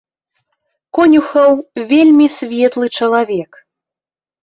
Конюхаў вельмі светлы чалавек.